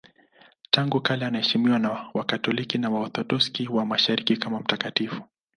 Tangu kale anaheshimiwa na Wakatoliki na Waorthodoksi wa Mashariki kama mtakatifu.